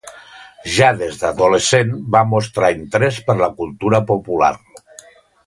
Ja des d'adolescent va mostrar interès per la cultura popular.